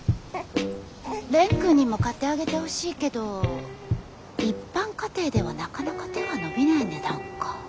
蓮くんにも買ってあげてほしいけど一般家庭ではなかなか手が伸びない値段か。